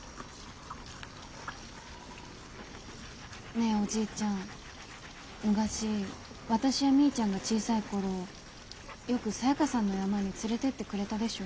ねえおじいちゃん昔私やみーちゃんが小さい頃よくサヤカさんの山に連れてってくれたでしょ？